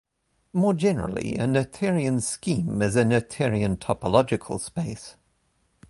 More generally, a Noetherian scheme is a Noetherian topological space.